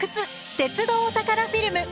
鉄道お宝フィルム」。